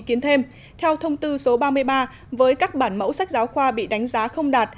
kiến thêm theo thông tư số ba mươi ba với các bản mẫu sách giáo khoa bị đánh giá không đạt